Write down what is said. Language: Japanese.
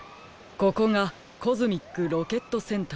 ここがコズミックロケットセンターですか。